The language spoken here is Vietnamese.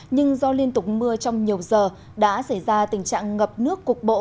nhưng do liên tục mưa trong nhiều giờ đã xảy ra tình trạng ngập nước cục bộ